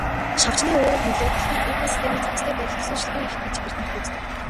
Шавжны үүрэг нөлөө дэлхийн экосистемийн зохистой байдалд төсөөлшгүй их гэж эрдэмтэд үздэг.